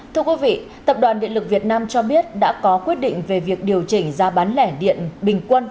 thưa quý vị tập đoàn điện lực việt nam cho biết đã có quyết định về việc điều chỉnh giá bán lẻ điện bình quân